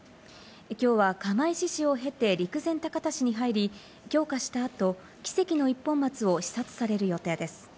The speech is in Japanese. きょうは釜石市を経て陸前高田市に入り、供花した後、奇跡の一本松を視察される予定です。